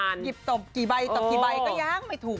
หยิบตบกี่ใบตบกี่ใบก็ยังไม่ถูก